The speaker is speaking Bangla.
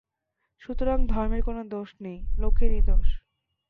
সুতরাং ধর্মের কোন দোষ নাই, লোকেরই দোষ।